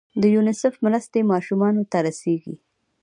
د یونیسف مرستې ماشومانو ته رسیږي؟